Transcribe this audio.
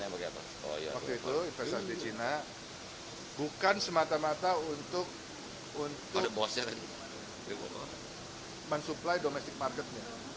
waktu itu investasi di china bukan semata mata untuk mensupply domestic marketnya